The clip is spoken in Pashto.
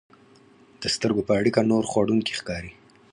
د سترګو په اړیکه نور خوړونکي ښکاري.